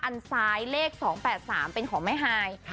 อันซ้ายเลข๒๘๓เป็นของแม่ฮาย